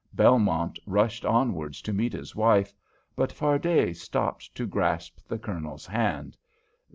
Belmont rushed onwards to meet his wife, but Fardet stopped to grasp the Colonel's hand.